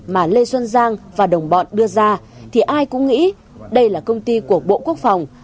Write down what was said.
mà lê xuân giang và đồng bọn đưa ra thì ai cũng nghĩ đây là công ty của bộ quốc phòng